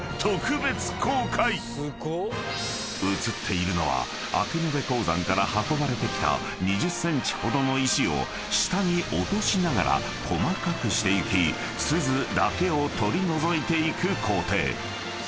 ［映っているのは明延鉱山から運ばれてきた２０ｃｍほどの石を下に落としながら細かくしてゆき錫だけを取り除いていく工程］